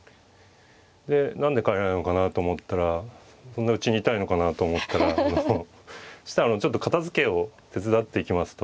で何で帰らないのかなと思ったらそんなうちにいたいのかなと思ったらそしたらちょっと片づけを手伝っていきますと。